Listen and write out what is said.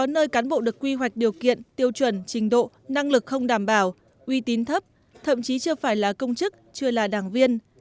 một mươi nơi cán bộ được quy hoạch điều kiện tiêu chuẩn trình độ năng lực không đảm bảo uy tín thấp thậm chí chưa phải là công chức chưa là đảng viên